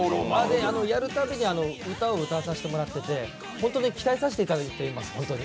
やるたびに歌を歌わさせてもらっていて本当に鍛えさせていただいています、ホントに。